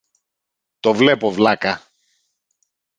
Το βλέπω, βλάκα!